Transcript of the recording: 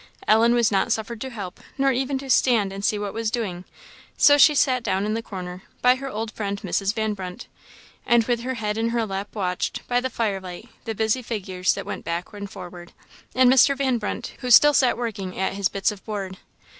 Ellen was not suffered to help, nor even to stand and see what was doing; so she sat down in the corner, by her old friend Mrs. Van Brunt, and with her head in her lap watched, by the fire light, the busy figures that went back and forward, and Mr. Van Brunt, who still sat working at his bits of board.